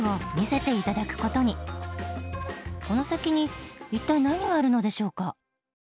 この先に一体何があるのでしょうか？